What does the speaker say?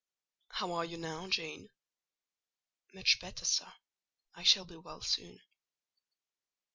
"How are you now, Jane?" "Much better, sir; I shall be well soon."